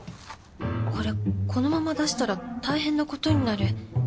これこのまま出したら大変なことになる。